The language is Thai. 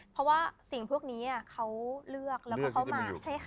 เพราะว่าสิ่งพวกนี้เขาเลือกแล้วก็เข้ามา